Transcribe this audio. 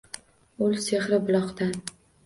Ul sehrli buloqdan.